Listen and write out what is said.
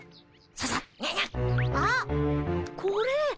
あっこれ。